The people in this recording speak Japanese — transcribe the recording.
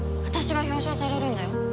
私が表彰されるんだよ。